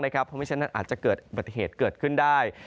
เพราะไม่ฉะนั้นอาจจะเกิดอุบัติเหตุเกิดขึ้นได้